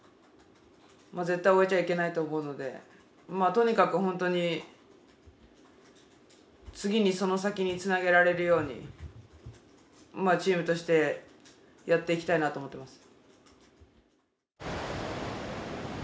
とにかく本当に次にその先につなげられるようにチームとしてやっていきたいなと思ってます。